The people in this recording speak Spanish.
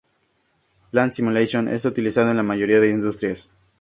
Plant Simulation es utilizado en la mayoría de las industrias.